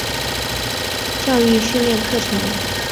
教育训练课程